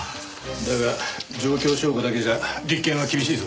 だが状況証拠だけじゃ立件は厳しいぞ。